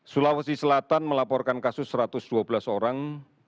sulawesi selatan melaporkan kasus satu ratus dua belas orang